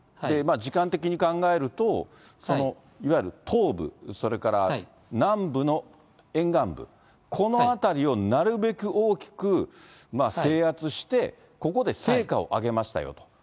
時間的に考えると、いわゆる、東部、それから南部の沿岸部、この辺りをなるべく大きく制圧して、ここで成果を上げましたよと。